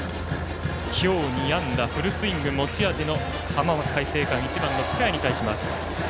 今日２安打フルスイング持ち味の浜松開誠館１番の深谷に対します。